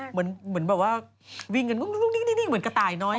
เหมือนวิ่งกันก็ลุ้งนิกเหมือนกระต่ายน้อย